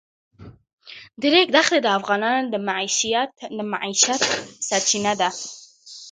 د ریګ دښتې د افغانانو د معیشت سرچینه ده.